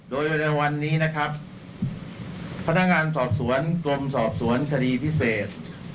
โดยในวันนี้นะครับพนักงานสอบสวนกรมสอบสวนคดีพิเศษ